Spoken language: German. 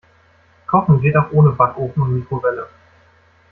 Kochen geht auch ohne Backofen und Mikrowelle.